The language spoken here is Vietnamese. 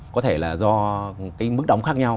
có thể là do mức đóng khác nhau